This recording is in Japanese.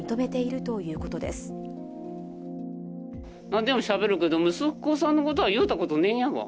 なんでもしゃべるけど、息子さんのことは言うたことねえんやわ。